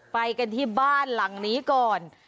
ไปกันที่บ้านหลังนี้ก่อน